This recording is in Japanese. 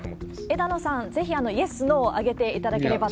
枝野さん、ぜひイエス、ノーを挙げていただければと。